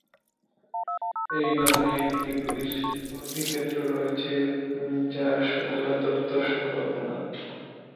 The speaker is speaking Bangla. এই নামে একটি পুলিশ অধিক্ষেত্র রয়েছে যার সদর দপ্তর শাহবাগ থানা।